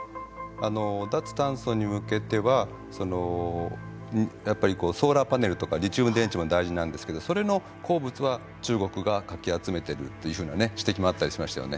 脱炭素に向けてはやっぱりソーラーパネルとかリチウム電池も大事なんですけどそれの鉱物は中国がかき集めてるというふうなね指摘もあったりしましたよね。